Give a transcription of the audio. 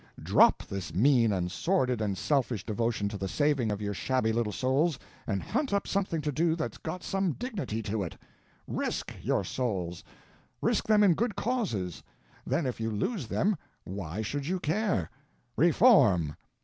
Drop this mean and sordid and selfish devotion to the saving of your shabby little souls, and hunt up something to do that's got some dignity to it! _Risk _your souls! risk them in good causes; then if you lose them, why should you care? Reform!"